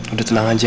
udah tenang aja